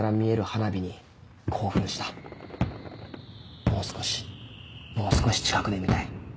花火の破裂音もう少もう少し近くで見たい。